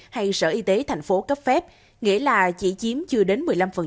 hay sở y tế tp hcm cấp phép nghĩa là chỉ chiếm chưa đến một mươi năm